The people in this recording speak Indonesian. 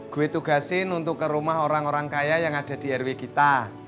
gue tugasin untuk ke rumah orang orang kaya yang ada di rw kita